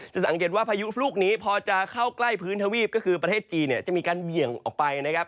สังเกตว่าพายุลูกนี้พอจะเข้าใกล้พื้นทวีปก็คือประเทศจีนเนี่ยจะมีการเบี่ยงออกไปนะครับ